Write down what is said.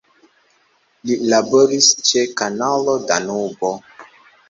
Li laboris ĉe Kanalo Danubo.